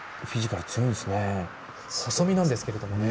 細身なんですけどね。